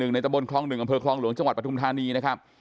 ในตะบนคลอง๑อำเภอคลองหลวงจังหวัดปทุมธานีนะครับ